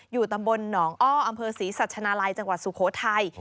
ตำบลหนองอ้ออำเภอศรีสัชนาลัยจังหวัดสุโขทัย